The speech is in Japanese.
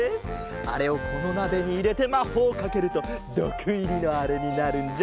あれをこのなべにいれてまほうをかけるとどくいりのあれになるんじゃ。